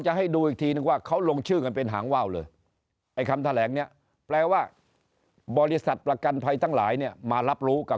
จะให้ดูอีกทีนึงว่าเขาลงชื่อกันเป็นหางว้าวเลยไอ้คำ